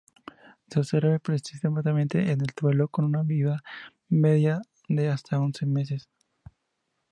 Se absorbe persistentemente en el suelo, con una vida media de hasta once meses.